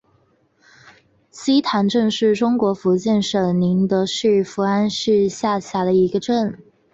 溪潭镇是中国福建省宁德市福安市下辖的一个镇。